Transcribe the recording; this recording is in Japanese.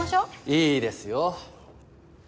いいですよ。